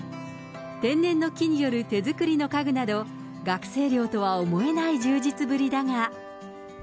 天然の木による手作りの家具など、学生寮とは思えない充実ぶりだが。